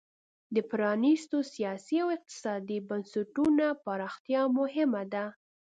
د پرانیستو سیاسي او اقتصادي بنسټونو پراختیا مهمه ده.